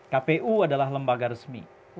kpu adalah lembaga resmi